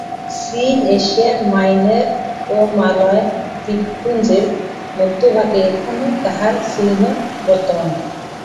চীন, এশিয়া-মাইনর ও মালয়-দ্বীপপুঞ্জের মধ্যভাগে এখনও তাহার চিহ্ন বর্তমান।